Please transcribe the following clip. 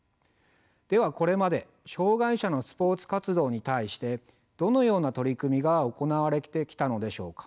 ではこれまで障害者のスポーツ活動に対してどのような取り組みが行われてきたのでしょうか。